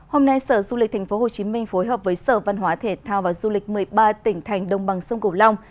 hôm nay sở du lịch tp hcm phối hợp với sở văn hóa thể thao và du lịch một mươi ba tỉnh thành đông bằng sông cổ long